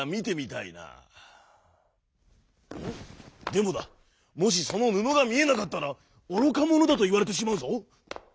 でもだもしそのぬのがみえなかったらおろかものだといわれてしまうぞ。